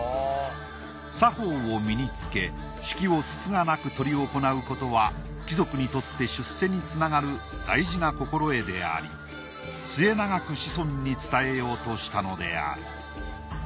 作法を身につけ式をつつがなく執り行うことは貴族にとって出世につながる大事な心得であり末永く子孫に伝えようとしたのである。